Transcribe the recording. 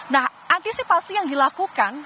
nah antisipasi yang dilakukan